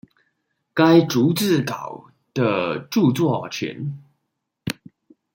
該逐字稿的著作權